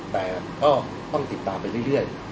แต่ก็ต้องติดตามไปเรื่อย